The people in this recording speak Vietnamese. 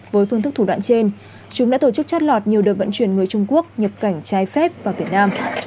với phương thức thủ đoạn trên chúng đã tổ chức trót lọt nhiều đợt vận chuyển người trung quốc nhập cảnh trái phép vào việt nam